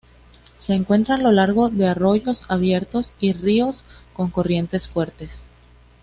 Se encuentra a lo largo de arroyos abiertos y ríos con corrientes fuertes.